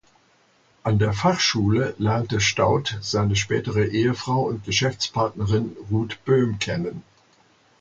An der Fachschule lernte Staudt seine spätere Ehefrau und Geschäftspartnerin Rut Böhm kennen.